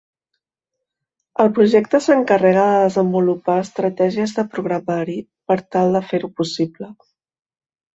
El projecte s'encarrega de desenvolupar estratègies de programari per tal de fer-ho possible.